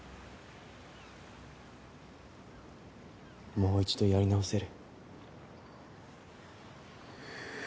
もう一度やり直せる。